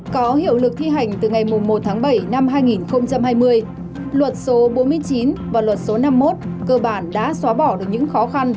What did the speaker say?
có hiệu lực thi hành từ ngày một tháng bảy năm hai nghìn hai mươi luật số bốn mươi chín và luật số năm mươi một cơ bản đã xóa bỏ được những khó khăn